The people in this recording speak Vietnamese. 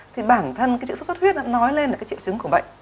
thì bản thân cái chữ sốt xuất huyết nó nói lên là cái triệu chứng của bệnh